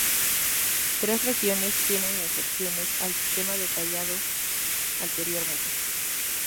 Tres regiones tienen excepciones al sistema detallado anteriormente.